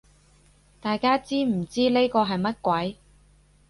大家知唔知呢個係乜鬼